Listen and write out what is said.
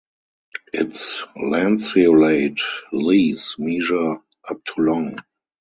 Its lanceolate leaves measure up to long.